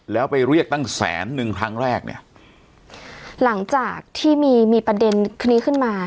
แล้วไปเรียกตั้งแสนนึงครั้งแรกเนี่ยหลังจากที่มีมีประเด็นนี้ขึ้นมา